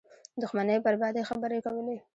دښمنۍ بربادۍ خبرې کولې